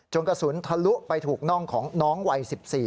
กระสุนทะลุไปถูกน่องของน้องวัย๑๔